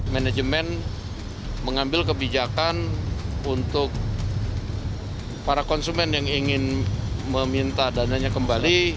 manajemen mengambil kebijakan untuk para konsumen yang ingin meminta dananya kembali